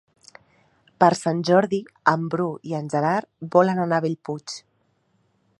Per Sant Jordi en Bru i en Gerard volen anar a Bellpuig.